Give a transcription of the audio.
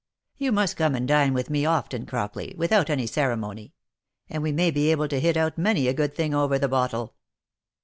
You must come and dine with me often, Crockley, without any ceremony; and we may be able to hit out many a good thing over the bottle."